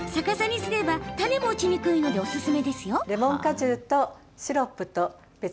逆さにすれば種も落ちにくいのでおすすめ。